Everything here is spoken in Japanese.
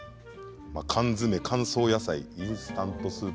缶詰、乾燥野菜インスタントスープ。